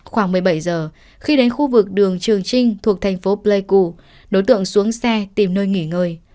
khoảng một mươi bảy giờ khi đến khu vực đường trường trinh thuộc thành phố pleiku đối tượng xuống xe tìm nơi nghỉ ngơi